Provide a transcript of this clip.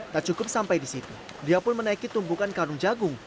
tak cukup sampai di situ dia pun menaiki tumbukan karung jagung